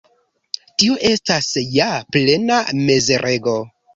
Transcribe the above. Tio estas ja plena mizerego!